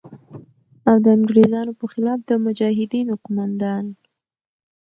او د انگریزانو په خلاف د مجاهدینو قوماندان